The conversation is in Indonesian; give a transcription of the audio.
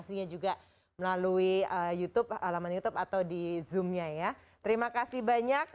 terima kasih banyak